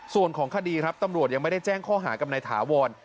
ส่วนของคดีครับตำรวจยังไม่ได้แจ้งข้อหากับนายถาวร